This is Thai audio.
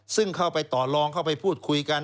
ซึ่งเข้าไปต่อลองเข้าไปพูดคุยกัน